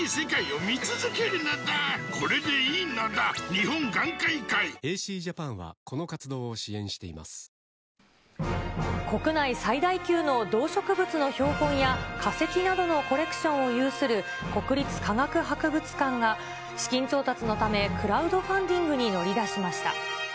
国立科学博物館が資金調達のためのクラウドファンディングをスタ国内最大級の動植物の標本や化石などのコレクションを有する国立科学博物館が、資金調達のため、クラウドファンディングに乗り出しました。